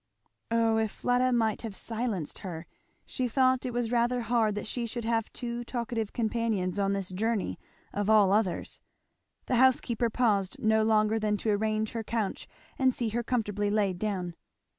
Oh if Fleda might have silenced her! She thought it was rather hard that she should have two talkative companions on this journey of all others. The housekeeper paused no longer than to arrange her couch and see her comfortably laid down.